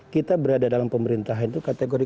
kita berada dalam pemerintahan itu kategori